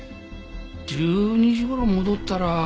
１２時頃戻ったら。